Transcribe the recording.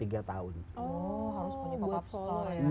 oh harus punya pop up store ya